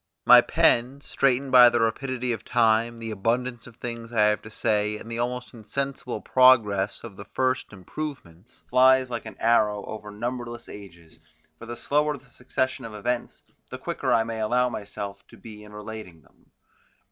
My pen straightened by the rapidity of time, the abundance of things I have to say, and the almost insensible progress of the first improvements, flies like an arrow over numberless ages, for the slower the succession of events, the quicker I may allow myself to be in relating them.